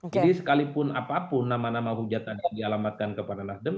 jadi sekalipun apapun nama nama hujatan yang dialamatkan kepada nasdem